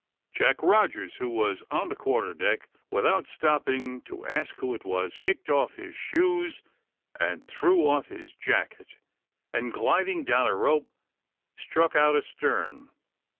Jack Rogers, who was on the quarter deck, without stopping to ask who it was, kicked off his shoes, and threw off his jacket, and gliding down a rope, struck out astern.